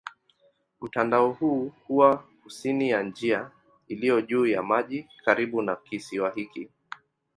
Mtandao huu huwa kusini ya njia iliyo juu ya maji karibu na kisiwa hiki.